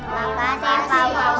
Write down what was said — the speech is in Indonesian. makasih pak bautad